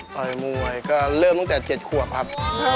ต่อยมวยก็เริ่มตั้งแต่๗ขวบครับ